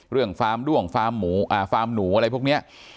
เรื่องฟาร์มด้วงฟาร์มหนูอะไรพวกนี้